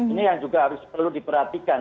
ini yang juga harus perlu diperhatikan